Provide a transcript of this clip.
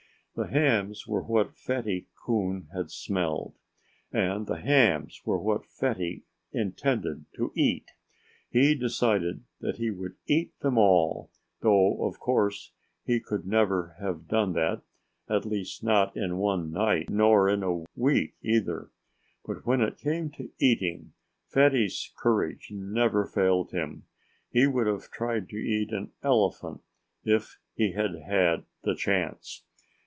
The hams were what Fatty Coon had smelled. And the hams were what Fatty intended to eat. He decided that he would eat them all though of course he could never have done that at least, not in one night; nor in a week, either. But when it came to eating, Fatty's courage never failed him. He would have tried to eat an elephant, if he had had the chance.